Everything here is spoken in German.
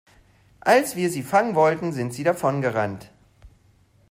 Als wir sie fangen wollten, sind sie davon gerannt.